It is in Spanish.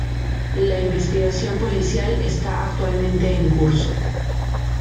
La investigación policial está actualmente en curso.